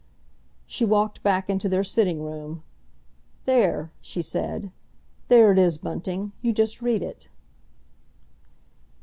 She walked back into their sitting room. "There!" she said. "There it is, Bunting. You just read it."